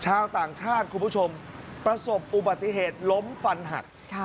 ชาวต่างชาติคุณผู้ชมประสบอุบัติเหตุล้มฟันหัก